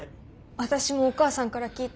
私もお母さんから聞いた。